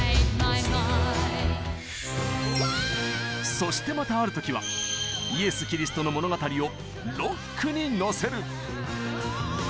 そしてまたある時はイエス・キリストの物語をロックにのせる！